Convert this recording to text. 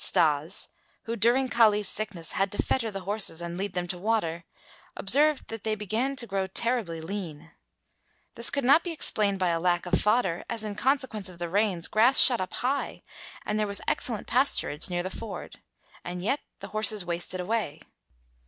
Stas, who during Kali's sickness had to fetter the horses and lead them to water, observed that they began to grow terribly lean. This could not be explained by a lack of fodder as in consequence of the rains grass shot up high and there was excellent pasturage near the ford. And yet the horses wasted away.